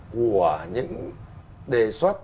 của những đề xuất